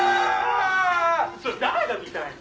「それ誰が見たいの？」